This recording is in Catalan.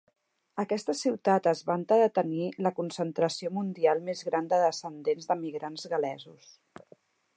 Aquesta ciutat es vanta de tenir la concentració mundial més gran de descendents d'emigrants gal·lesos.